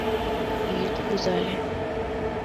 Йӱд вузале...